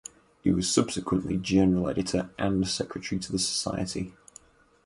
He was subsequently general editor and secretary to the society.